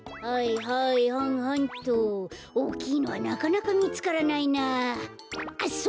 おおきいのはなかなかみつからないなあ。